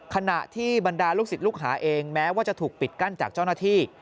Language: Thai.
ขณะที่บรรดาลูกศิษย์ลูกหาเองแม้ว่าจะถูกปิดกั้นจากเจ้าหน้าที่